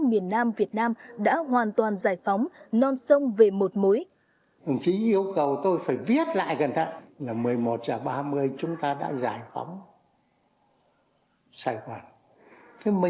miền nam việt nam đã hoàn toàn giải phóng non sông về một mối